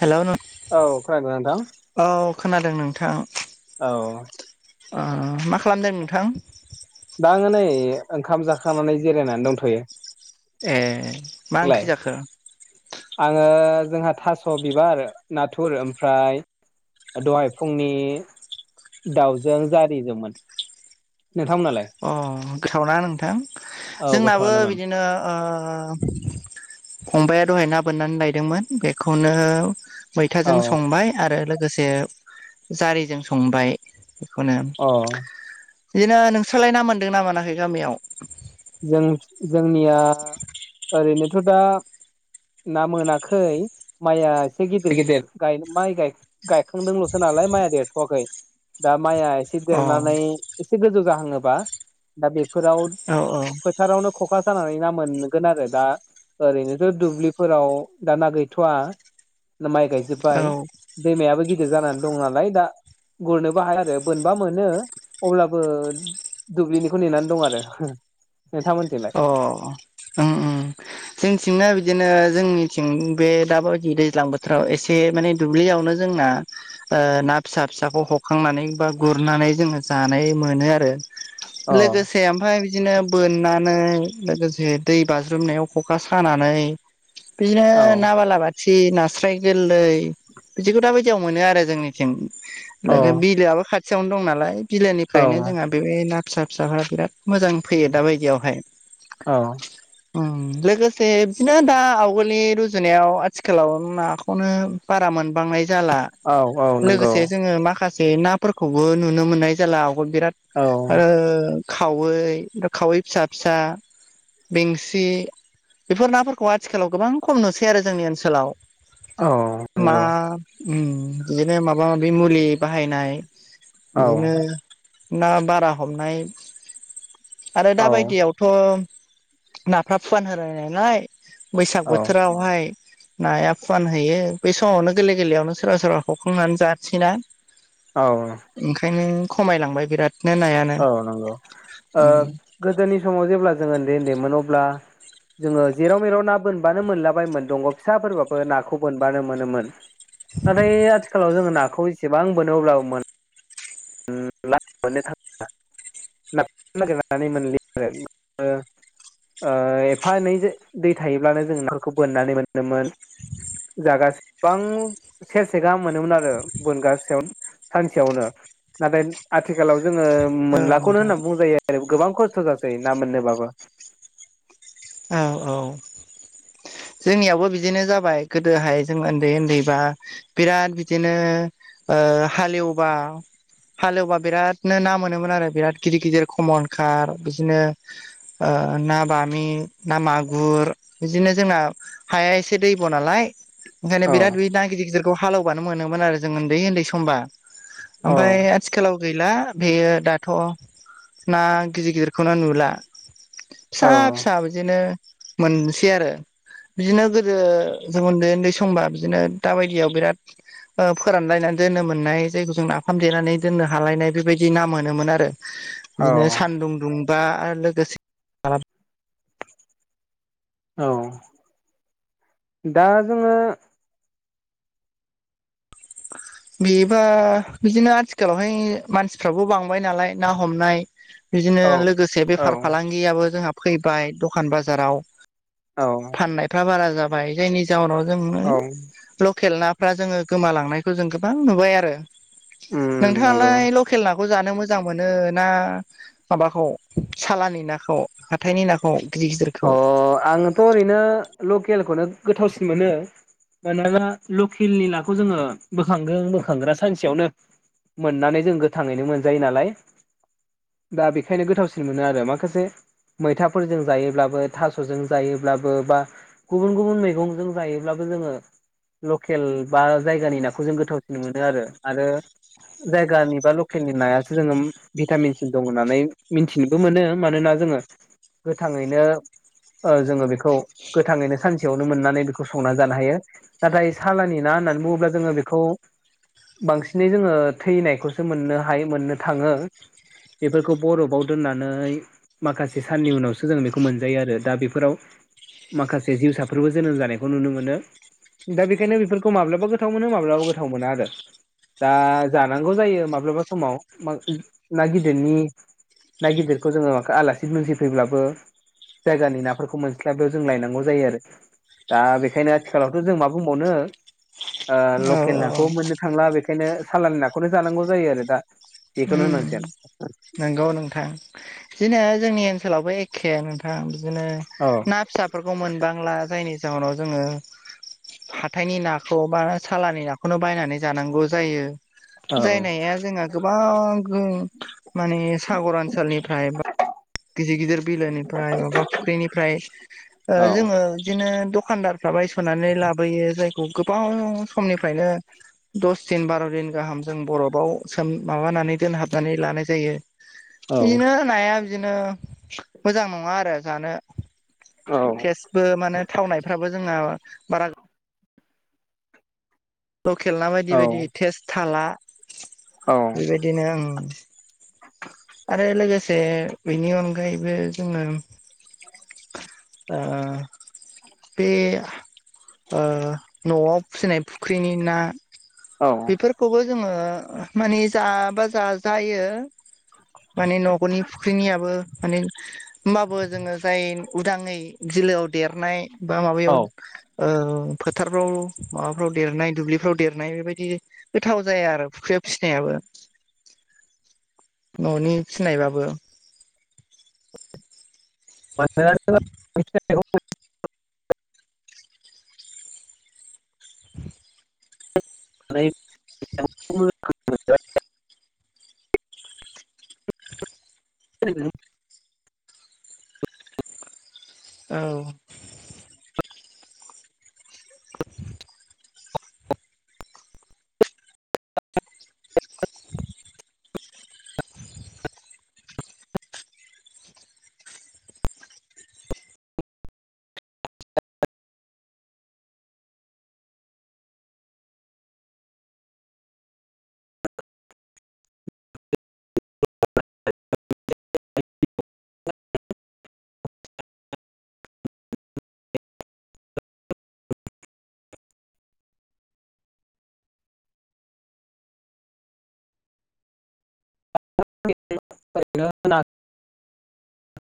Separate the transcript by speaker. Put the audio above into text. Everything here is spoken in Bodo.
Speaker 1: हेल'नों
Speaker 2: औ खोनादों ना नोंथां?
Speaker 1: औ खोनादों नोंथां।
Speaker 2: औ।
Speaker 1: ओ मा खालामदों नोंथां?
Speaker 2: दा आंङो नै ओंखाम जाखांनानै जिरायनानै दंथ'यो।
Speaker 1: ए मा ओंख्रि जाखो?
Speaker 2: आंङो जोंहा थास' बिबार नाथुर ओमफ्राय दहाय फुंनि दाउजों जारिजोंमोन। नोंथांमोनालाय?
Speaker 1: अ गोथावना नोंथां
Speaker 2: औ
Speaker 1: जोंनाबो
Speaker 2: गोथावआनोमोन
Speaker 1: बिदिनो ओ फंबाया दहाय ना बोननानै लायदोंमोन बेखौनो
Speaker 2: औ
Speaker 1: मैथाजों संबाय आरो लोगोसे जारिजों संबाय बेखौनो
Speaker 2: अ
Speaker 1: बिदिनो नोंसोरलाय ना मोनदों ना मोनाखै गामियाव
Speaker 2: जों जोंनिया ओरैनोथ' दा ना मोनाखै माइआ एसे गिदिर गिदिर गाय माइ गाय गायखांदोंल'सो नालाय माइया देरथ'वाखै। दा माइया एसे
Speaker 1: अ
Speaker 2: देरनानै एसे गोजौ जाहाङोबा दा बेफोराव
Speaker 1: औ औ
Speaker 2: फोथारावनो खखा सानानै ना मोनगोन आरो दा ओरैनोथ' दुब्लिफोराव दाना गैथ'वा माइ गायजोब्बाय
Speaker 1: औ
Speaker 2: दैमायाबो गिदिर जानानै दंओ नालाय दा गुरनोबो हाया आरो मोनबा मोनो अब्लाबो दुब्लिनिखौ नेनानै दं आरो नोंथांमोनजोंलाय
Speaker 1: अ ओम ओम जोंथिंना बिदिनो जोंनिथिं बे दाबायदि दैज्लां बोथोराव एसे माने दुब्लियावनो जोंना ओ ना फिसा फिसाखौ हखांनानै बा गुरनानै जोङो जानाय मोनो आरो
Speaker 2: अ
Speaker 1: लोगोसे ओमफ्राय बिदिनो बोननानै लोगोसे दै बाज्रुमनायाव ख'खा सानानै बिदिनो
Speaker 2: औ
Speaker 1: नाबालाबा सि नास्राय गोरलै बिदिखौ दा बायदियाव मोनो आरो जोंनिथिं
Speaker 2: औ
Speaker 1: बिलोआबो खाथियावनो दं नालाय बिलोनिफ्रायनो
Speaker 2: औ
Speaker 1: जोंहा बे ना फिसा फिसाफोरा बिराद मोजां फैयो दा बायदियावहाय
Speaker 2: औ
Speaker 1: ओं लोगोसे बिदिनो दा आवगोलनि रुजुनायाव आथिखालाव नाखौनो बारा मोनबांनाय जाला
Speaker 2: औ नंगौ
Speaker 1: लोगोसे जोङो माखासे से नाफोरखौबो नुनो मोननाय जाला आगोल बिराद
Speaker 2: औ
Speaker 1: आरो खावै खावै फिसा फिसा बेंसि बेफोर नाफोरखौ आथिखालाव गोबां खम नुसै आरो जोंनि ओनसोलाव
Speaker 2: औ
Speaker 1: मा
Speaker 2: नंगौ
Speaker 1: बिदिनो माबा माबि मुलि बाहायनाय
Speaker 2: औ
Speaker 1: बिदिनो ना बारा हमनाय आरो
Speaker 2: औ
Speaker 1: दाबायदियाव थ' नाफ्रा फुवान होयो नालाय बैसाग
Speaker 2: औ
Speaker 1: बोथोरावहाय नाया फुवान हैयो बे समावनो गोरलै गोरलैयावनो सोरबा सोरबा हखांनानै जानोसैना
Speaker 2: औ
Speaker 1: ओंखायनो खमायलांबाय बिराद
Speaker 2: औ नंगौ। ओ
Speaker 1: औ
Speaker 2: गोदोनि समाव जेब्ला जोंओ ओन्दै ओन्दैमोन अब्ला जोङो जेराव मेराव ना बोनबानो मोनलाबायमोन दंग' फिसाफोरबाबो नाखौ बोनबानो मोनोमोन नाथाय आथिखालाव जोङो नाखौ इसेबां बोनो अब्ला मोन [unintelligible] [unintelligible] ननानै मोन [unintelligible] ओ एफा एनै दै थायोब्लानो जों नफोरखौ बोननानै मोनोमोन जागासिबां सेरसे गाहाम मोनोमोन आरो बोनगासेयाव सानसेयावनो नाथाय आथिखालाव जोङो मोनलाखौनो
Speaker 1: नोंथां
Speaker 2: होनना बुंजायो जै गोबां खस्थ' जासै ना मोननोबाबो
Speaker 1: औ औ जोंनियावबो बिदिनो जाबाय गोदोहाय जों उन्दै उन्दैबा बिराद बिदिनो ओ हालेवबा हालेवबा बिरादनो ना मोनोमोन आरो बिराद गिदिर गिदिर खमन कार बिदिनो ओ ना बामि ना मागुर बिदिनो जोंना हाया एसे दैब' नालाय ओंखायनो
Speaker 2: औ
Speaker 1: बिराद बे ना गिदिर गिदिरखौ हालौबानो मोनोमोन आरो जों उन्दै उन्दै समबा
Speaker 2: औ
Speaker 1: ओमफ्राय सिथिखालाव गैला बेयो दाथ' ना गिदिरगिदिरखौनो नुला
Speaker 2: औ
Speaker 1: फिसा फिसा बिदिनो मोनसै आरो बिदिनो गोदो जों उन्दै उन्दै समबा बिदिनो दााबायदियाव बिराद ओ फोरानलायनानै दोननो मोननाय जायग जों नाफाम देनानै दोननो हालायनाय बेबायदि नाम मोनोमोन आरो
Speaker 2: [inaudible]
Speaker 1: बिदिनो सानदुं दुंबा आरो लोगोसे
Speaker 2: औ दा जोङो
Speaker 1: बेबा बिदिनो आथिखालावहाय मानसिफ्राबो बांबाय नालाय ना हमनाय बिदिनो
Speaker 2: औ
Speaker 1: लोगोसे बेफार फालांगि जोंहा फैबाय दखान बाजाराव
Speaker 2: औ
Speaker 1: फनाय बारा जाबाय जायनि जाउनाव जों
Speaker 2: औ
Speaker 1: लकेल नाफ्रा जोङो गोमालांनायखौ जों गोबां नुबाय आरो
Speaker 2: उम नंगौ
Speaker 1: नोंथाङालाय लकेल नाखौ जानो मोजां मोनो ना माबाखौ सालानि नाखौ हाथायनि नाखौ गिदिर गिदिरखौ
Speaker 2: अ आङथ' ओरैनो लकेलखौनो गोथावसिन मोनो मानोना लकेलनि नाखौ जोङो बोखांगोन बोखांग्रा सानसेयावनो बोननानै जों गोथाङैनो मोनजायो नालाय दा बेखायनो गोथावसिन मोनो आरो माखासे मैथाफोरजों जायोब्ला थजों जायोब्लाबो बा गुबुन गुबुन मैगंजों जायोब्लाबो जोङो लकेल बा जायगानि नाखौ जों गोथावसिन मोनो आरो आरो जायगानि बा लकेलनि नायासो जोंङोम भिटामिन सिन दं होननानै मिथिनोबो मोनो मानोना जोङो गोथाङैनो जोङो बेखौ गोथाङैनो सानसेयावनो मोननानै बेखौ संना जानो हायो नाथाय सालानि ना होननानै बुङोब्ला जोङो बेखौ बांसिनै जोङो थैनायखौसो मोननो हायो मोननो थाङो बेफोरखौ बरफआव दोननानै माखासे साननि उनावसो जोङो बेखौ मोन जायो आरो दा बेफोराव माखासे जिउसाफोरबो जोनोम जानायखौ नुनो मोनो दा बेखायनो बेफोरखौ माब्लाबा गोथाव मोनो माब्लाबा गोथाव मोना आरो दा जानांगौ जायो माब्लाबा समाव ना गिदिरनि ना गिदिरखौ जोङो आलासि दुमसि फैब्लाबो जायगानि नाफोरखौ मोनस्लाब बेयाव जों लायनांगौ जायो आरो दा बेखायनो आथिखालावथ' जों मा बुंबावनो
Speaker 1: औ
Speaker 2: लकेल
Speaker 1: औ
Speaker 2: नाखौबो मोननो थांला बेखायनो सालानि नाखौनो जानांगौ जायो आरो दा
Speaker 1: उम
Speaker 2: बेखौनो होनांसिगन
Speaker 1: नंगौ नोंथां बिदिनो जोंनि ओनसोलावबो एख्खे नोंथां बिदिनो
Speaker 2: औ
Speaker 1: ना फिसा फोरफोरखौ मोनबांला जायनि जाहोनाव जोङो हाथायनि नाखौ बा सालानि नाखौनो बायनानै जानांगौ जायो
Speaker 2: औ
Speaker 1: जायनाया जोंआ गोबां गो माने सागर ओनसोलनिफ्राय बा गिदिर गिदिर बिलोनिफ्राय माबा फुख्रिनिफ्राय
Speaker 2: औ
Speaker 1: जोङो बिदिनो दखानदार साबाय सनानै लाबोयो जायखौ गोबाव समनिफ्रायनो दस दिन बार' दिन गाहाम जों बरफआव सोम माबानानै दोनहाबनानै लानाय जायो बिदिनो नाया बिदिनो मोजां नङा आरो जानो
Speaker 2: औ
Speaker 1: टेस्टबो माने थावनायफ्राबो जोंहा बारा लकेल ना बायदि
Speaker 2: औ
Speaker 1: बायदि टेस्ट थाला बेबायदिनो उम आरो लोगोसे बेनि अनगायैबो जोङो ओ बे न'आव फिसिनाय फुख्रिनि ना
Speaker 2: औ
Speaker 1: बेफोरखौबो जोङो मानि जाबा जाजायो माने न'गरनि फुख्रिनियाबो माने होमबाबो जोङो जाय उदाङै बिलोआव देरनाय बा
Speaker 2: औ
Speaker 1: माबायाव ओ फोथारफ्राव माबाफ्राव देरनाय दुब्लिफ्राव देरनाय बेबायद बिदि गोथाव जाया आरो फुख्रियाव फिसिनायाबो न'नि फिनायबाबो
Speaker 2: [unintelligible]
Speaker 1: [unintelligible]
Speaker 2: [unintelligible] [unintelligible]
Speaker 1: औ। [unintelligible] [inaudible]
Speaker 2: [unintelligible] [unintelligible] [unintelligible]